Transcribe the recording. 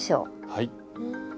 はい。